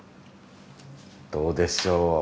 どうでしょう？